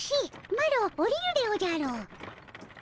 マロおりるでおじゃる。